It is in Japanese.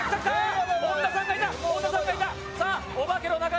本田さんがいた！